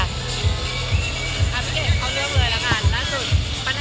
พี่เกดเข้าเรื่องอะไรแล้วกันหน้าสุดปัญหา